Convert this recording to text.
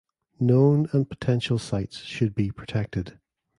Known and potential sites should be protected.